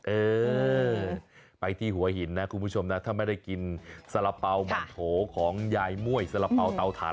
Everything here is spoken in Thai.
เออไปที่หัวหินนะคุณผู้ชมนะถ้าไม่ได้กินสาระเป๋ามันโถของยายม่วยสละเป๋าเตาถ่าน